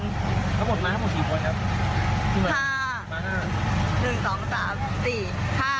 ถ้าหมดนะถ้าหมด๔คนนะครับ๕๑๒๓๔๕๖๖คนค่ะ